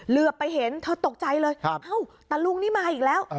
เหลือไปเห็นเธอตกใจเลยเอ้าตะลุงนี่มาอีกแล้ว